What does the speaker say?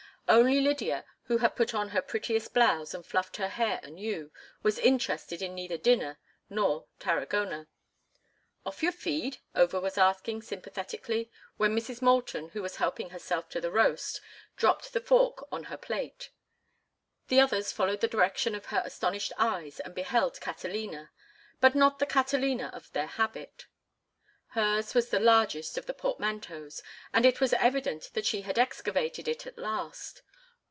Only Lydia, who had put on her prettiest blouse and fluffed her hair anew, was interested in neither dinner nor Tarragona. "Off your feed?" Over was asking, sympathetically, when Mrs. Moulton, who was helping herself to the roast, dropped the fork on her plate. The others followed the direction of her astonished eyes and beheld Catalina—but not the Catalina of their habit. Hers was the largest of the portmanteaus, and it was evident that she had excavated it at last.